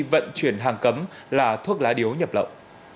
vận chuyển hàng cấm là thuốc lá điếu nhập lậu